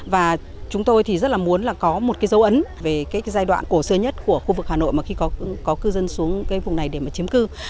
và chúng tôi thì rất là muốn là có một cái dấu ấn về cái giai đoạn cổ xưa nhất của khu vực hà nội mà khi có cư dân xuống cái vùng này để mà chiếm cư